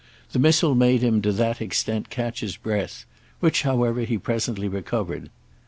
The missile made him to that extent catch his breath; which however he presently recovered.